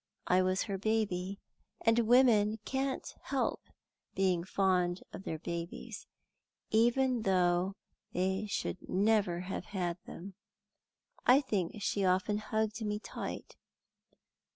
I was her baby, and women can't help being fond of their babies, even though they should never have had them. I think she often hugged me tight."